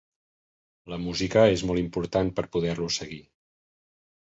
La música és molt important per poder-lo seguir.